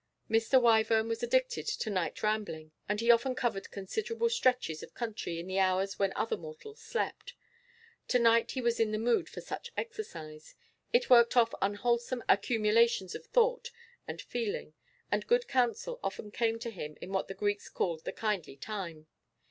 Mr. Wyvern was addicted to night rambling, and he often covered considerable stretches of country in the hours when other mortals slept. To night he was in the mood for such exercise; it worked off unwholesome accumulations of thought and feeling, and good counsel often came to him in what the Greeks called the kindly time.